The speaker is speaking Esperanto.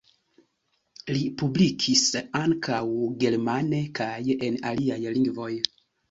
Li publikis ankaŭ germane kaj en aliaj lingvoj.